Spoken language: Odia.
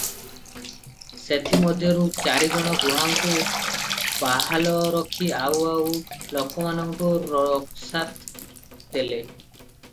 ସେଥିମଧ୍ୟରୁ ଚାରିଜଣ ଗୁହାଙ୍କୁ ବାହାଲ ରଖି ଆଉ ଆଉ ଲୋକମାନଙ୍କୁ ରୋକସାତ୍ ଦେଲେ ।